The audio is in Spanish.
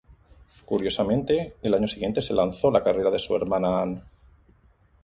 Curiosamente, al año siguiente se lanzó la carrera de su hermana Ann.